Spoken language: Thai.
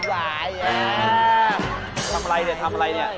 ทำอะไรเนี่ย